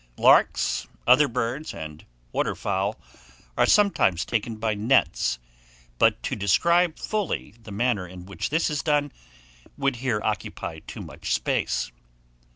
Larks, other birds, and water fowl, are sometimes taken by nets; but to describe fully the manner in which this is done, would here occupy too much space.